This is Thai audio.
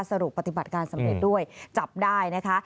สรุปปฏิบัติการสำเร็จด้วยจับได้นะคะ